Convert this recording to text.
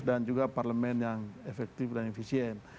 dan juga parlemen yang efektif dan efisien